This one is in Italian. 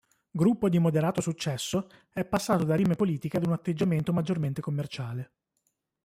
Gruppo di moderato successo, è passato da rime politiche ad un atteggiamento maggiormente commerciale.